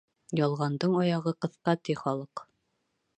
Ялғандың аяғы ҡыҫҡа, ти халыҡ.